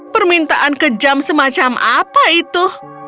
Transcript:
permintaan kejam semacam apa itu